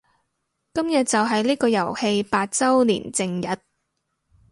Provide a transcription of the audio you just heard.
今日就係呢個遊戲八周年正日